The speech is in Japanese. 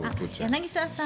柳澤さん